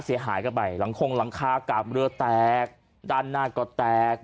เสียหายกันไปหลังคงหลังคากาบเรือแตกด้านหน้าก็แตก